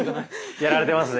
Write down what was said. やられてますね。